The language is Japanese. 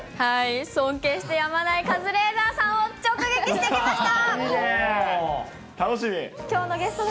はい、尊敬してやまないカズレーザーさんを直撃してきました。